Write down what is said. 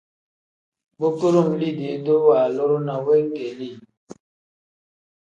Bu kudum liidee-duu waaluru ne weegeeli.